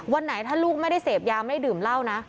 วันไหนถ้าลูกไม่ได้เสพยาไม่ได้ดื่มเหล้านะ